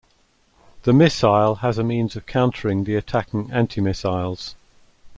The missile has a means of countering the attacking anti-missiles.